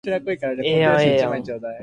宮城県利府町